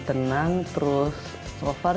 tenang terus so far